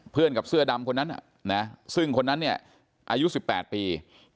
เพื่อนกับเสื้อดำคนนั้นซึ่งคนนั้นเนี่ยอายุสิบแปดปี